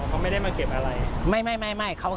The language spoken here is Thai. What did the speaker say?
เขาไม่ได้มาเก็บอะไร